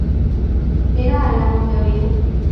Era alano de origen.